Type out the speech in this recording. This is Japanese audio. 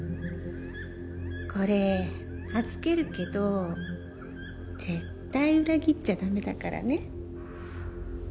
これ預けるけど絶対裏切っちゃダメだからね。